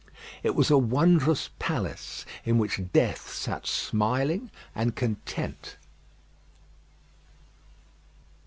It was a wondrous palace, in which death sat smiling and content.